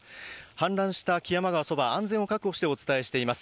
氾濫した木山川そば、安全を確保してお伝えしています。